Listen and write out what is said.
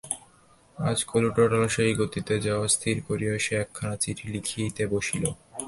আজ কলুটোলার সেই গতিতে যাওয়া স্থির করিয়া সে একখানা চিঠি লিখিতে বসিল।